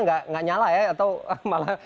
nggak nyala ya atau malah